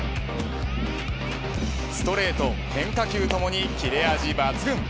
ストレート、変化球ともに切れ味抜群。